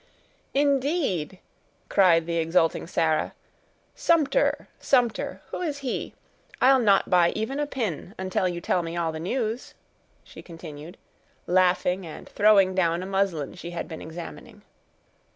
"Indeed!" cried the exulting Sarah; "Sumter—Sumter—who is he? I'll not buy even a pin, until you tell me all the news," she continued, laughing and throwing down a muslin she had been examining.